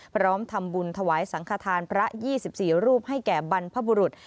พร้อมทำบุญถวายสังขทานพระ๒๔รูปให้แก่บรรพบุรุษ